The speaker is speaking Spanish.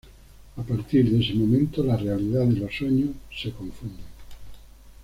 A partir de ese momento, la realidad y los sueños se confunden.